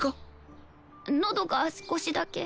のどが少しだけ。